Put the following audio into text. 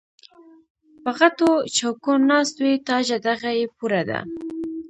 پۀ غټو چوکــــو ناست وي تاجه دغه یې پوره ده